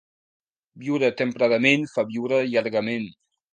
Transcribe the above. Viure templadament fa viure llargament.